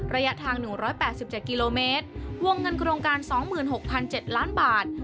ระยะทาง๑๘๗กิโลเมตรวงเงินโครงการ๒๖๗ล้านบาท